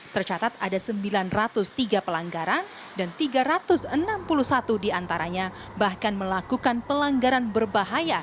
tercatat ada sembilan ratus tiga pelanggaran dan tiga ratus enam puluh satu diantaranya bahkan melakukan pelanggaran berbahaya